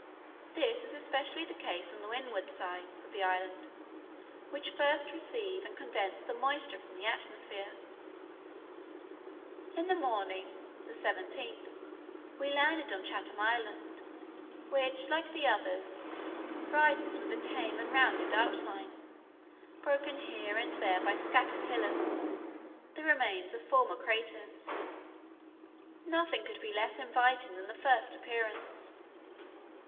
This is especially the case on the windward sides of the islands, which first receive and condense the moisture from the atmosphere. In the morning (17th) we landed on Chatham Island, which, like the others, rises with a tame and rounded outline, broken here and there by scattered hillocks, the remains of former craters. Nothing could be less inviting than the first appearance.